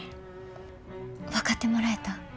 分かってもらえた？